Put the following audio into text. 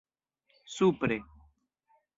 supre